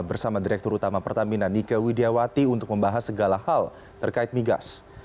bersama direktur utama pertamina nike widiawati untuk membahas segala hal terkait migas